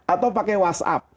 atau pakai whatsapp